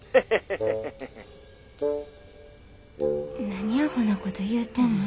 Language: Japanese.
何アホなこと言うてんの。